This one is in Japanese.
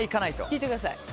聞いてください。